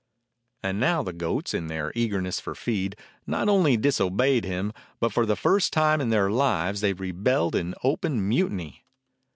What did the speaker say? And now the goats, in their eagerness for feed, not only disobeyed him, but for the first time in their lives they rebelled in open mu tiny.